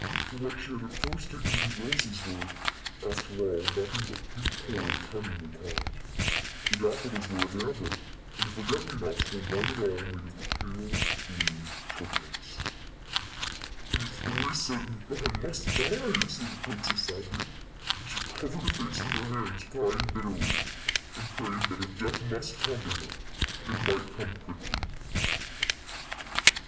For what she had at first taken to be roses were, after all, nothing but pink coral cunningly carved, the daffodils were of amber, and the forget me nots were one and all made of the pale blue turquoise. "It is very certain that I must die," said the princess, sadly, and she covered her face with her hands, crying bitterly, and praying that if death must come to her, it might come quickly.